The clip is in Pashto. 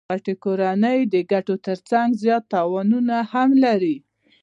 غټي کورنۍ د ګټو ترڅنګ زیات تاوانونه هم لري.